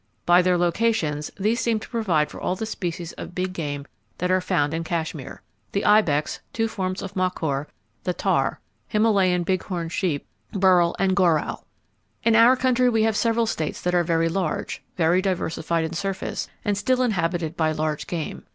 By their locations, these seem to provide for all the species of big game that are found in Kashmir,—the ibex, two forms of markhor, the tahr. Himalayan bighorn sheep, burrhel and goral. In our country we have several states that are very large, very diversified in surface, and still inhabited by large game.